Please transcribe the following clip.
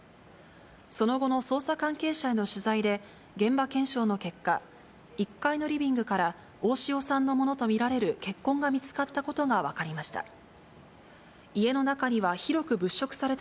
その後の捜査関係者への取材で、現場検証の結果、１階のリビングから、大塩さんのものと見られる血痕が見つかったことが分かりました。